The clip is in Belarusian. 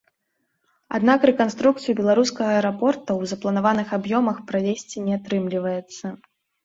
Аднак рэканструкцыю беларускага аэрапорта ў запланаваных аб'ёмах правесці не атрымліваецца.